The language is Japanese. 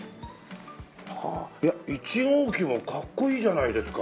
はあいや１号機もかっこいいじゃないですか！